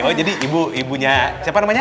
oh jadi ibu ibunya siapa namanya